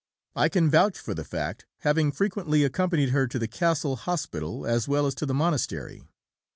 I can vouch for the fact, having frequently accompanied her to the [Castle] Hospital as well as to the Monastery.